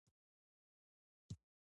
دغه سپارل شوې دنده مسؤلیت بلل کیږي.